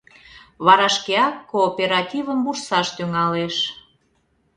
Вара шкеак кооперативым вурсаш тӱҥалеш.